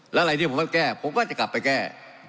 แล้วอะไรที่ผมมาแก้ผมก็จะกลับไปแก้